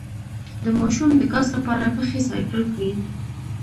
د ماشوم د ګاز لپاره پښې سایکل کړئ